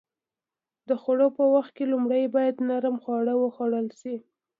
د خوړو په وخت کې لومړی باید نرم خواړه وخوړل شي.